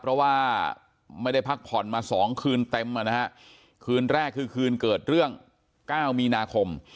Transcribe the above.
เพราะว่าไม่ได้พักผ่อนมา๒คืนเต็มนะฮะคืนแรกคือคืนเกิดเรื่อง๙มีนาคม